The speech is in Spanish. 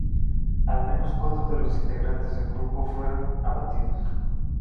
Al menos cuatro de los integrantes del grupo fueron abatidos.